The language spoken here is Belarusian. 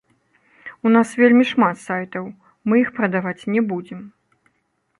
У нас вельмі шмат сайтаў, мы іх прадаваць не будзем.